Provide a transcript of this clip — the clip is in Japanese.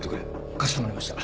かしこまりました。